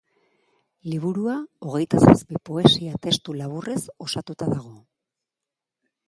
Liburua hogeita zazpi poesia-testu laburrez osatuta dago.